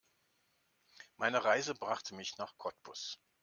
Meine Reise brachte mich nach Cottbus